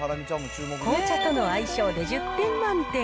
紅茶との相性で１０点満点。